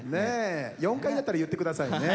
４回だったら言ってくださいね。